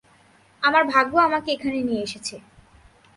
আমার ভাগ্য আমাকে এখানে নিয়ে এসেছে।